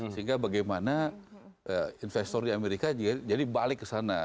sehingga bagaimana investor di amerika jadi balik ke sana